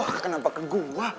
wah kenapa ke gua